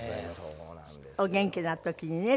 お元気な時にね